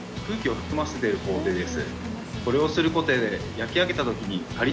これをする事で。